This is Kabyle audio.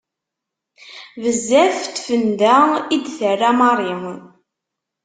Bezzaf n tfenda i d-terra Marie.